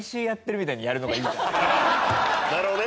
なるほどね。